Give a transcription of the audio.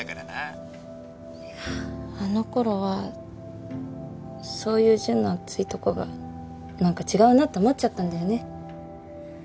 あのころはそういうジュンの熱いとこが何か違うなって思っちゃったんだよね。